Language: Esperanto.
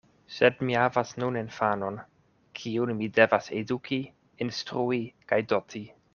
Sed mi havas nun infanon, kiun mi devas eduki, instrui kaj doti.